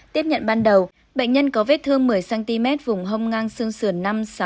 tiếp nhận ban đầu bệnh nhân có vết thương một mươi cm vùng hông ngang xương sườn năm sáu